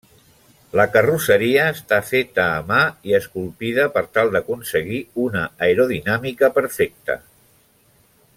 La carrosseria està feta a mà i esculpida per tal d'aconseguir una aerodinàmica perfecta.